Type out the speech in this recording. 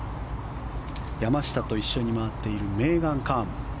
山下と一緒に回っているメーガン・カン。